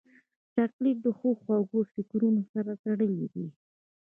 چاکلېټ د ښو خوږو فکرونو سره تړلی دی.